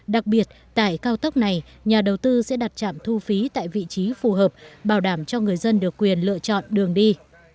đặc biệt tại cao tốc này nhà đầu tư sẽ đặt trạm thu phí tại vị trí phù hợp bảo đảm cho người dân được quyền lựa chọn đường đi